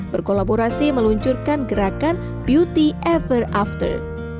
berkolaborasi meluncurkan gerakan beauty ever after